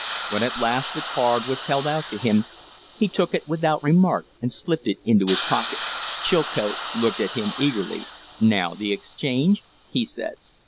When at last the card was held out to him he took it without remark and slipped it into his pocket. Chilcote looked at him eagerly. "Now the exchange?" he said.